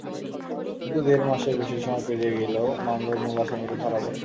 কিন্তু দেড় মাসের বেশি সময় পেরিয়ে গেলেও মামলার মূল আসামিরা ধরা পড়েনি।